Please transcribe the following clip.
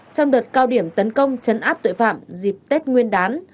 trong đợt cao điểm tấn công chấn áp tội phạm dịp tết nguyên đán